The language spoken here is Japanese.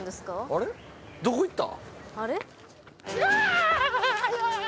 あれ、どこ行った？